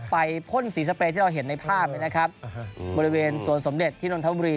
ไปพ่นสีสเปรย์ที่เราเห็นในภาพบริเวณสวนสมเร็จที่นทบุรี